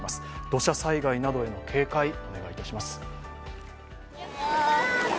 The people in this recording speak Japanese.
土砂災害などへの警戒お願いいたします。